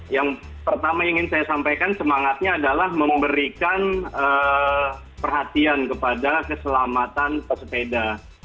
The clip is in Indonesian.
yang pertama ingin saya sampaikan semangatnya adalah memberikan perhatian kepada keselamatan pesepeda